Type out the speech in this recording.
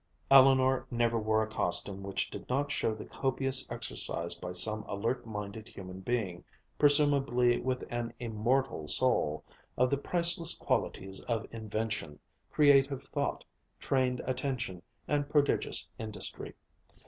Eleanor never wore a costume which did not show the copious exercise by some alert minded human being, presumably with an immortal soul, of the priceless qualities of invention, creative thought, trained attention, and prodigious industry.